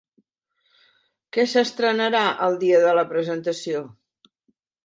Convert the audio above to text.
Què s'estrenarà el dia de la presentació?